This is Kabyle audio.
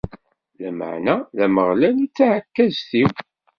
Lameɛna d Ameɣlal i d taɛekkazt-iw.